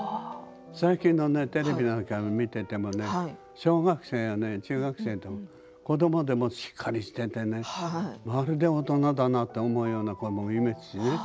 最近のテレビなんかを見ていても小学生や中学生、子どもでもしっかりしていてねまるで大人だなと思うような子もいますしね。